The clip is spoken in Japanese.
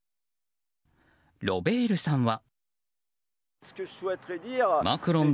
ロベールさんは。